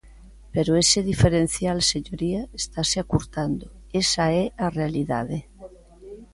Pero ese diferencial, señoría, estase acurtando, esa é a realidade.